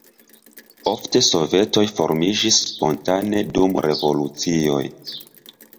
Ofte sovetoj formiĝis spontane dum revolucioj.